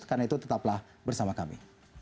karena itu tetaplah bersama kami